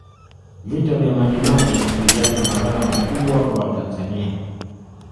vita vya majimaji viliacha madhara makubwa kwa watanzania